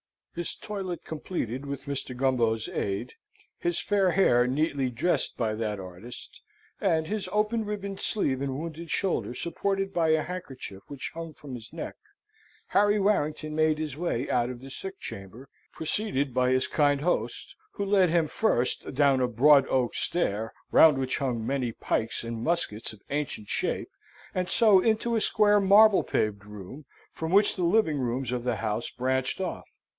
His toilet completed with Mr. Gumbo's aid, his fair hair neatly dressed by that artist, and his open ribboned sleeve and wounded shoulder supported by a handkerchief which hung from his neck, Harry Warrington made his way out of the sick chamber, preceded by his kind host, who led him first down a broad oak stair, round which hung many pikes and muskets of ancient shape, and so into a square marble paved room, from which the living rooms of the house branched off.